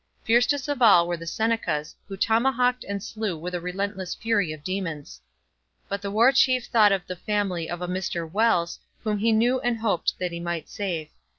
Fiercest of all were the Senecas, who tomahawked and slew with the relentless fury of demons. But the War Chief thought of the family of a Mr Wells, whom he knew and hoped that he might save.